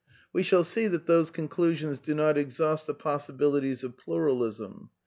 We shall see that those conclusions do not exhaust the possibilities of Pluralism.